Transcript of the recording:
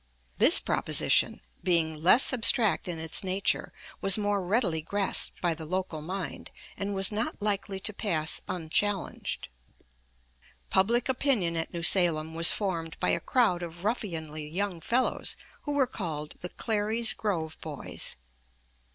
This proposition, being less abstract in its nature, was more readily grasped by the local mind, and was not likely to pass unchallenged. [Illustration: MAP OF NEW SALEM AND VICINITY] Public opinion at New Salem was formed by a crowd of ruffianly young fellows who were called the "Clary's Grove Boys."